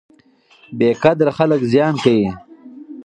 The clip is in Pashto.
بې قدره خلک زیان کوي.